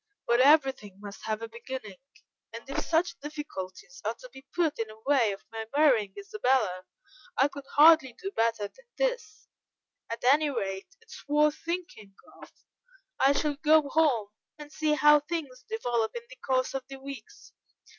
But everything must have a beginning, and if such difficulties are to be put in way of my marrying Isabella, I could hardly do better than this; at any rate, it is worth thinking of. I shall go home and see how things develop in the course of the weeks.